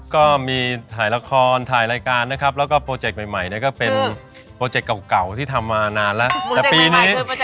ก็มีถ่ายละครถ่ายรายการนะครับแล้วก็โปรเจกต์ใหม่ก็เป็นโปรเจกต์เก่าที่ทำมานานแล้วแต่ปีนี้